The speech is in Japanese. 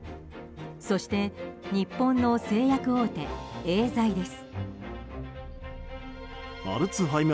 そして日本の製薬大手エーザイです。